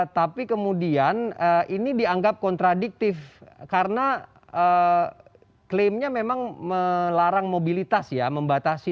tapi kemudian ini dianggap kontradiktif karena klaimnya memang melarang mobilitas ya membatasi